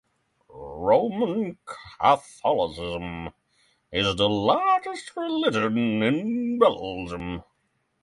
Roman Catholicism, is the largest religion in Belgium.